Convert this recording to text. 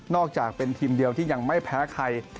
อกจากเป็นทีมเดียวที่ยังไม่แพ้ใคร